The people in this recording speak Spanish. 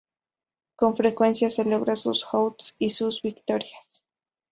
Con frecuencia celebra sus outs y sus victorias.